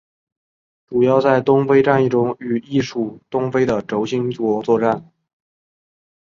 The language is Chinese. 主要在东非战役中与意属东非的轴心国作战。